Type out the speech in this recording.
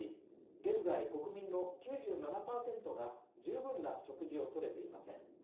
現在、国民の９７％が十分な食事をとれていません。